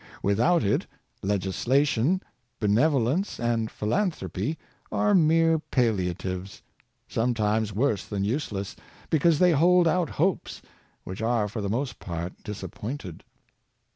Without it, legis 20 Method, lation, benevolence and philanthropy are mere pallia tives; sometimes worse than useless, because they hold out hopes which are for the most part disappointed.